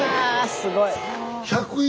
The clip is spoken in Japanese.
すごい。